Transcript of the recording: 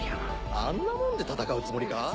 あんなもんで戦うつもりか？